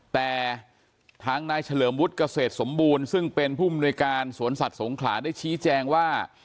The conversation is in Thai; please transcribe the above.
แต่ทางนายเฉลิมวุฒิเกษตรสมบูรณ์ซึ่งเป็นผู้มนุยการสวนสัตว์สงขลาได้ชี้แจงว่า